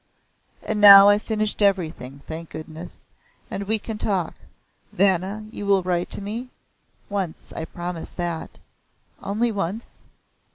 "And now I've finished everything thank goodness! and we can talk. Vanna you will write to me?" "Once. I promise that." "Only once?